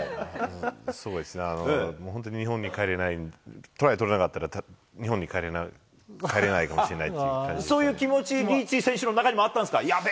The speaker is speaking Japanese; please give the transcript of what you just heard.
そうですね、もう本当に日本に帰れない、トライ取れなかったら日本に帰れないかもしれないっていう感じでそういう気持ち、リーチ選手の中にもあったんですか。